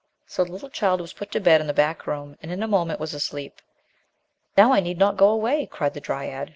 So the little child was put to bed in the back room and, in a moment, was asleep. "Now I need not go away," cried the dryad.